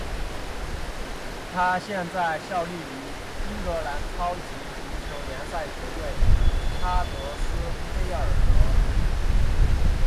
他现在效力于英格兰超级足球联赛球队哈德斯菲尔德。